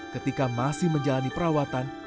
ketika masih menjalani perawatan